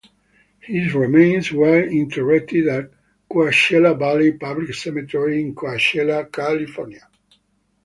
His remains were interred at Coachella Valley Public Cemetery in Coachella, California.